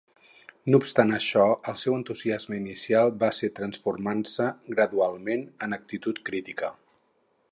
No obstant això, el seu entusiasme inicial va ser transformant-se gradualment en actitud crítica.